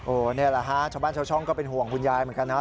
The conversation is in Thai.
นี่แหละฮะชาวบ้านชาวช่องก็เป็นห่วงคุณยายเหมือนกันนะ